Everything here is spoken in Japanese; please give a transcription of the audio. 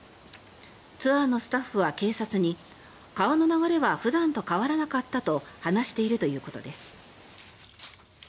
ツアーのスタッフは警察に川の流れは普段と変わらなかったと話しているということです。